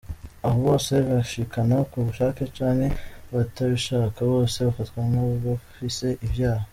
"Abo bose bishikana ku bushake canke batabishaka, bose bafatwa nk'abafise ivyaha.